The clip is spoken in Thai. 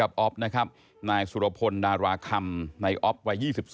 และก็จะรับความจริงของตัวเอง